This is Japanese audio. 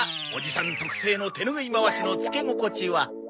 おじさん特製の手ぬぐいまわしのつけ心地は。